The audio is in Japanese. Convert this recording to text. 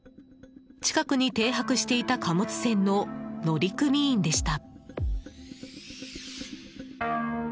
近くに停泊していた貨物船の乗組員でした。